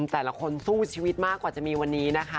แต่ละคนสู้ชีวิตมากกว่าจะมีวันนี้นะคะ